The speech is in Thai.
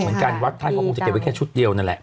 เหมือนกันวัดท่านก็คงจะเก็บไว้แค่ชุดเดียวนั่นแหละ